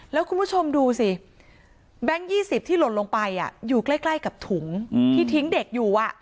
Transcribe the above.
แล้วคุณผู้ชมดูสิแบงค์๒๐ที่หล่นลงไปอยู่ใกล้กับถุงที่ทิ้งเด็กอยู่